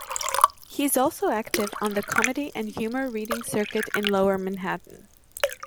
He is also active on the comedy and humor reading circuit in lower Manhattan.